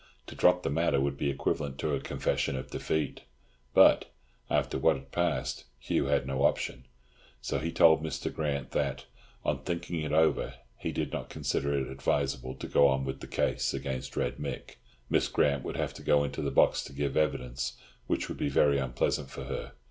To drop the matter would be equivalent to a confession of defeat, but, after what had passed, Hugh had no option. So he told Mr. Grant that, on thinking it over, he did not consider it advisable to go on with the case against Red Mick; Miss Grant would have to go into the box to give evidence, which would be very unpleasant for her.